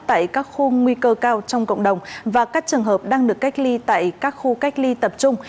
tại các khu nguy cơ cao trong cộng đồng và các trường hợp đang được cách ly tại các khu cách ly tập trung